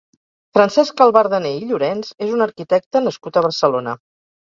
Francesc Albardaner i Llorens és un arquitecte nascut a Barcelona.